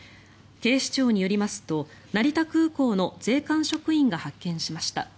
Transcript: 警視庁によりますと成田空港の税関職員が発見しました。